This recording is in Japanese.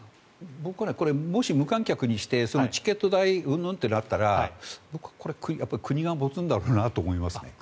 僕はこれもし無観客にしてチケット代うんぬんとなったら国が持つんだと思いますね。